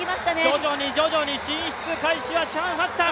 徐々に徐々に進出開始はシファン・ハッサン。